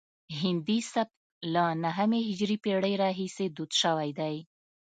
هندي سبک له نهمې هجري پیړۍ راهیسې دود شوی دی